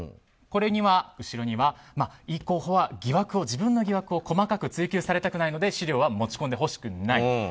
これには後ろにはイ候補は自分の疑惑を細かく追及されたくないので資料は持ち込んでほしくない。